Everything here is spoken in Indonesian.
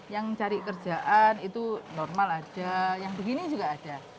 yang cari kerjaan itu normal ada yang begini juga ada